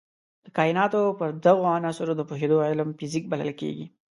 د کایناتو پر دغو عناصرو د پوهېدو علم فزیک بلل کېږي.